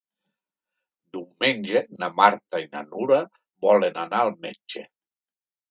Diumenge na Marta i na Nura volen anar al metge.